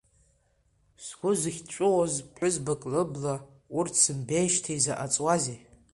Сгәы зыхьҵәыуоз ԥҳәызбак лыбла урҭ сымбеижьҭеи заҟа ҵуазеи!